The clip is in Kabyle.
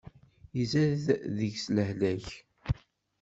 Izad deg-s lehlak.